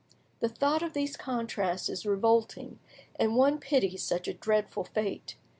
The thought of these contrasts is revolting, and one pities such a dreadful fate.